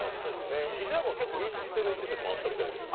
石田君、結構行ってる施設もあるみたいで。